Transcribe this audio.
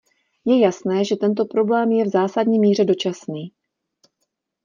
Je jasné, že tento problém je v zásadní míře dočasný.